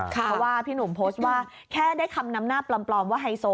เพราะว่าพี่หนุ่มโพสต์ว่าแค่ได้คำนำหน้าปลอมว่าไฮโซ